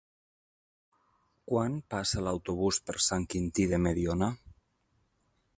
Quan passa l'autobús per Sant Quintí de Mediona?